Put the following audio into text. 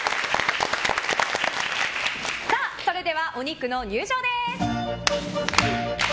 それでは、お肉の塊の入場です。